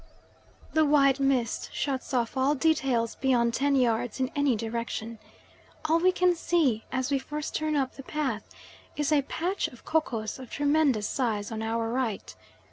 The white mist shuts off all details beyond ten yards in any direction. All we can see, as we first turn up the path, is a patch of kokos of tremendous size on our right.